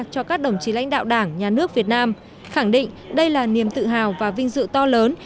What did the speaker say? cho các đồng chí lãnh đạo đảng nhà nước việt nam khẳng định đây là niềm tự hào và vinh dự to lớn